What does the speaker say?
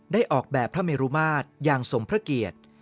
ออกแบบพระเมรุมาตรอย่างสมพระเกียรติ